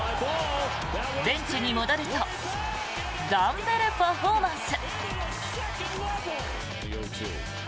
ベンチに戻るとダンベルパフォーマンス。